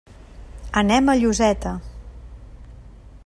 Anem a Lloseta.